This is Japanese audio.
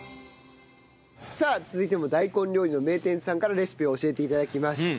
さあ続いても大根料理の名店さんからレシピを教えて頂きました。